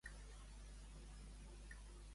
Què va respondre, Rivera?